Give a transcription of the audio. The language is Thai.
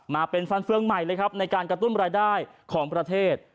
มาเป็นฟันเฟืองใหม่ในการกระตุ้นบรรยายได้ของประเทศ